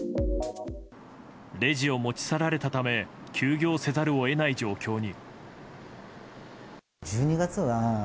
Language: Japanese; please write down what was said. レジを持ち去られたため休業せざるを得ない状況に。